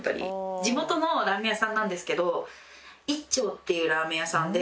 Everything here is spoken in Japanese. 地元のラーメン屋さんなんですけど一丁っていうラーメン屋さんで。